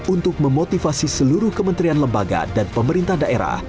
untuk memotivasi seluruh kementerian lembaga dan pemerintah daerah